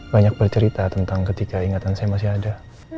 banyak bercerita tentang ketika ingatan saya masih ada